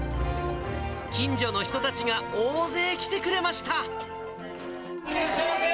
近所の人たちが大勢来てくれました。